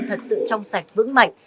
thật sự trong sạch vững mạnh